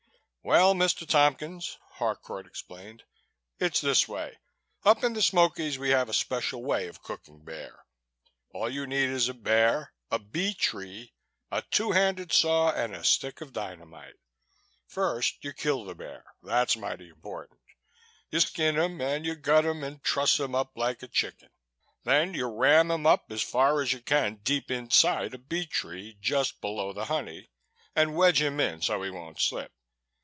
"Well, Mr. Tompkins," Harcourt explained. "It's this way. Up in the Smokies we have a special way of cooking bear. All you need is a bear, a bee tree, a two handed saw and a stick of dynamite. First, you kill your bear. That's mighty important. You skin him and you gut him and truss him up like a chicken. Then you ram him up as far as you can deep inside a bee tree, just below the honey, and wedge him in so he won't slip.